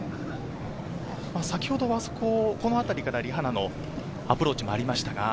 先ほどはこのあたりからリ・ハナのアプローチがありました。